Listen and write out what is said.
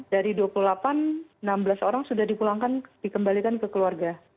dari dua puluh delapan enam belas orang sudah dipulangkan dikembalikan ke keluarga